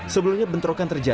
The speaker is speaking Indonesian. sebelumnya bentrokan terjadi